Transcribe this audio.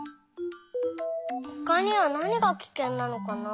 ほかにはなにがキケンなのかな？